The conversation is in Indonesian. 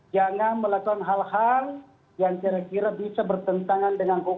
jangan melakukan hal hal yang kira kira bisa bertentangan dengan hukum